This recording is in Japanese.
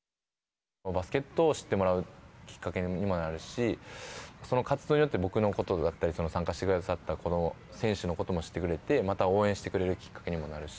バスケットを知ってもらうきっかけにもなるし、その活動によって、僕のことだったり、その参加してくださった選手のことも知ってくれて、また応援してくれるきっかけにもなるし。